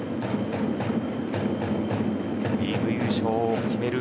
リーグ優勝を決める